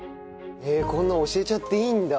こんな教えちゃっていいんだ。